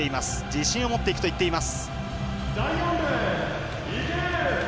自信を持っていくと言っています。